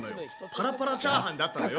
パラパラチャーハンだったのよ。